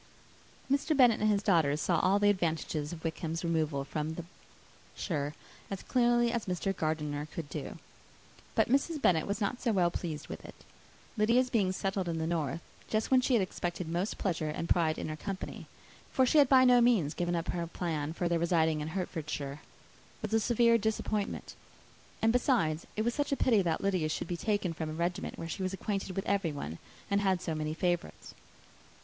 Mr. Bennet and his daughters saw all the advantages of Wickham's removal from the shire, as clearly as Mr. Gardiner could do. But Mrs. Bennet was not so well pleased with it. Lydia's being settled in the north, just when she had expected most pleasure and pride in her company, for she had by no means given up her plan of their residing in Hertfordshire, was a severe disappointment; and, besides, it was such a pity that Lydia should be taken from a regiment where she was acquainted with everybody, and had so many favourites.